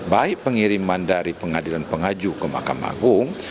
baik pengiriman dari pengadilan pengaju ke mahkamah agung